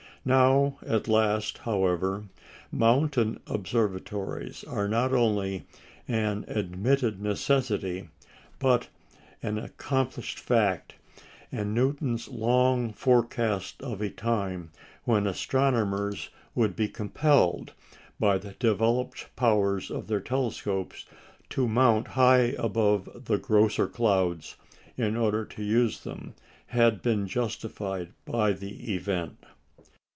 Now, at last, however, mountain observatories are not only an admitted necessity but an accomplished fact; and Newton's long forecast of a time when astronomers would be compelled, by the developed powers of their telescopes, to mount high above the "grosser clouds" in order to use them, had been justified by the event.